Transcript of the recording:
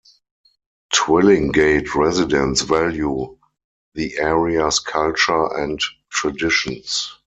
Twillingate residents value the area's culture and traditions.